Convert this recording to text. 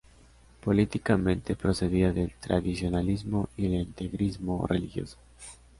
Políticamente, procedía del tradicionalismo y el integrismo religioso.